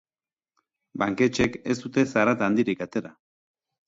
Banketxeek ez dute zarata handirik atera.